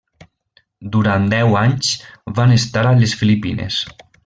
Durant deu anys van estar a les Filipines.